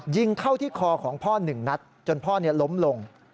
ยิงเข้าที่คอของพ่อ๑นัดจนพ่อล้มลง